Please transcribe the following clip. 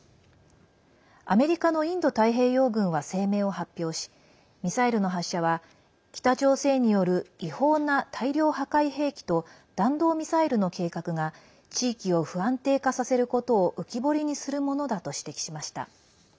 アメリカのインド太平洋軍は声明を発表しミサイルの発射は北朝鮮による違法な大量破壊兵器と弾道ミサイルの計画が地域を不安定化させることを浮き彫りにするものだと指摘しました。